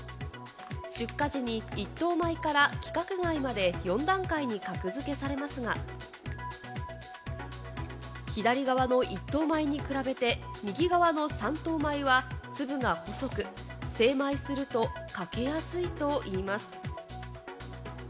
出荷時に一等米から規格外まで４段階に格付けされますが、左側の一等米に比べて、右側の三等米は粒が細く、精米すると欠けやすいといいます。